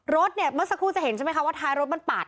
รถเนี่ยเมื่อสักครู่จะเห็นใช่ไหมคะว่าท้ายรถมันปาด